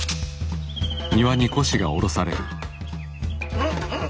うんうん！